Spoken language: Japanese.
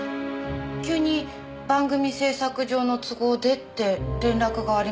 急に番組制作上の都合でって連絡がありました。